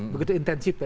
begitu intensif ya